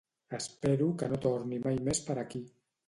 Espero que no torni mai més per aquí